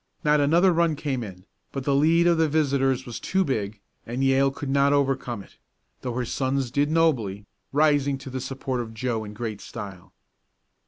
Not another run came in, but the lead of the visitors was too big, and Yale could not overcome it, though her sons did nobly, rising to the support of Joe in great style.